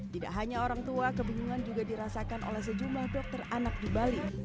tidak hanya orang tua kebingungan juga dirasakan oleh sejumlah dokter anak di bali